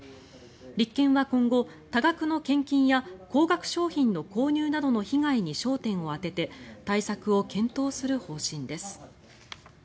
立憲は今後、多額の献金や高額商品の購入などの被害に焦点を当てて対策を検討する方針です。